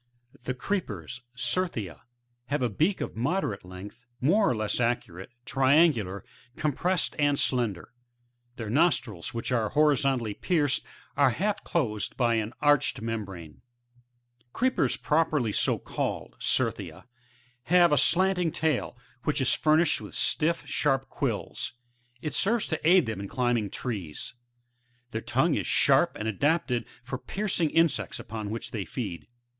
] 4. The Creepers,— C*fr/^ia, — have a beak of moderate Ifength, more or less arcuate, triangular, compressed and slender ; their nostrils, which are horizontally pierced, are half closed by an arched membrane. • 6. The Creepers properly so called, — Certhia, — have a slanting tail, which is furnished with stiflf, sharp quills ; it serves to aid them in climbing trees ; their tongue is sharp and adapted for piercing insects upon which they feed.